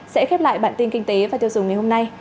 sẽ khép lại bản tin kinh tế và tiêu dùng ngày hôm nay